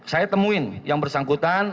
saya temuin yang bersangkutan